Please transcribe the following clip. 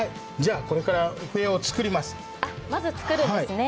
これから笛を作ります。